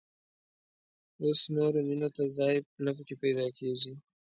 اوس نورو مېنو ته ځای نه په کې پيدا کېږي.